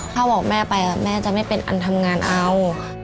ถ้าบอกแม่ไปแม่จะไม่เป็นอันทำงานเอา